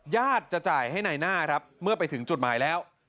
ญาติจะจ่ายให้ในหน้าครับเมื่อไปถึงจุดหมายแล้ว